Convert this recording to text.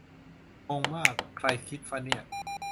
งงมาก ใครคิดฟะเนี่ย